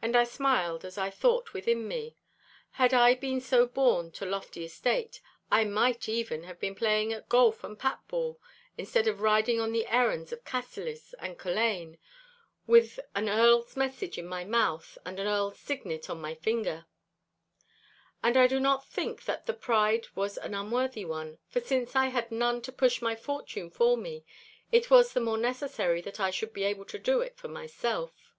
And I smiled as I thought within me, 'Had I been so born to lofty estate, I might even have been playing at golf and pat ball, instead of riding on the errands of Cassillis and Culzean, with an Earl's message in my mouth and an Earl's signet on my finger.' And I do not think that the pride was an unworthy one, for since I had none to push my fortune for me, it was the more necessary that I should be able to do it for myself.